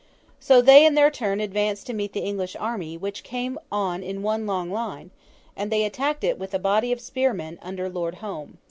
So they, in their turn, advanced to meet the English army, which came on in one long line; and they attacked it with a body of spearmen, under Lord Home.